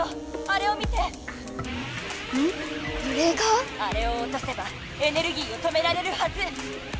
あれをおとせばエネルギーを止められるはず！